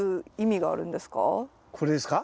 これですか？